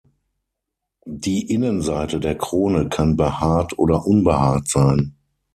Die Innenseite der Krone kann behaart oder unbehaart sein.